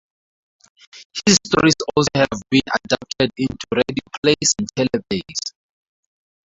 His stories also have been adapted into radioplays and teleplays.